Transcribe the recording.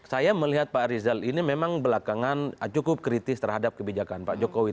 saya melihat pak rizal ini memang belakangan cukup kritis terhadap kebijakan pak jokowi